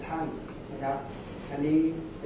แต่ว่าไม่มีปรากฏว่าถ้าเกิดคนให้ยาที่๓๑